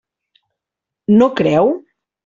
No creu?